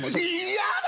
嫌だ！